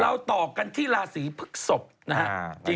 ต่อกันที่ราศีพฤกษพนะฮะ